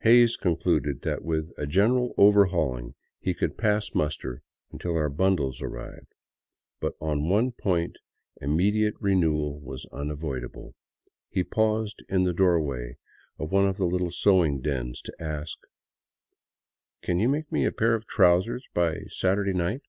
Hays concluded that with a general overhauling he could pass muster until our bundles arrived. But on one point immediate renewal was unavoidable. He paused in the doorway of one of the little sewing dens to ask: "Can you make me a pair of trousers by Saturday night?"